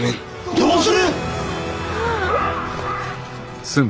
どうする！？